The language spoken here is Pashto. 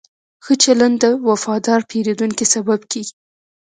ښه چلند د وفادار پیرودونکو سبب کېږي.